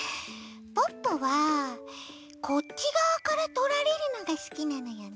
ポッポはこっちがわからとられるのがすきなのよね。